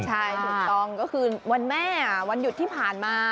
ใช่ถูกต้องก็คือวันแม่วันหยุดที่ผ่านมา